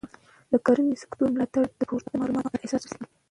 د کرنې سکتور ملاتړ باید د پورته معلوماتو پر اساس وشي.